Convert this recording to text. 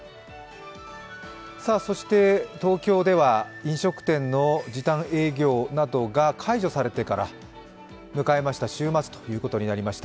そして、東京では飲食店の時短営業などが解除されてから迎えました週末ということになりました。